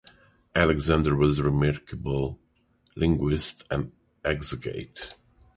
Alexander was a remarkable linguist and exegete.